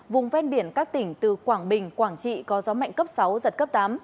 vùng ven biển các tỉnh từ quảng bình quảng trị có gió mạnh cấp sáu giật cấp tám